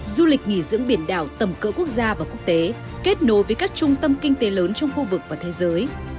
du lịch nghỉ dưỡng biển đảo tầm cỡ quốc gia và quốc tế kết nối với các trung tâm kinh tế lớn trong khu vực và thế giới